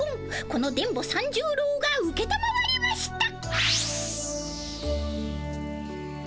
この電ボ三十郎がうけたまわりました！